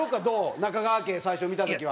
中川家最初に見た時は。